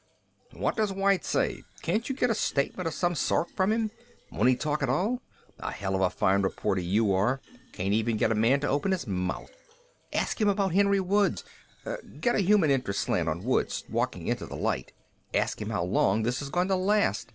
"What does White say?... Can't you get a statement of some sort from him? Won't he talk at all? A hell of a fine reporter you are can't even get a man to open his mouth. Ask him about Henry Woods. Get a human interest slant on Woods walking into the light. Ask him how long this is going to last.